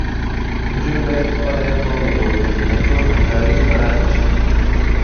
نجونې باید خپل علم نورو ته وښيي، تر څو همکاري پراخه شي.